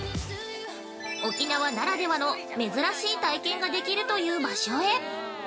沖縄ならではの、珍しい体験ができるという場所へ。